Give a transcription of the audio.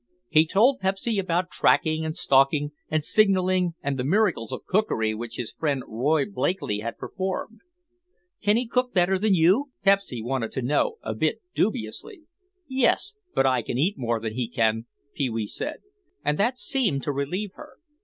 He told Pepsy about tracking and stalking and signaling and the miracles of cookery which his friend Roy Blakeley had performed. "Can he cook better than you?" Pepsy wanted to know, a bit dubiously. "Yes, but I can eat more than he can," Pee wee said. And that seemed to relieve her.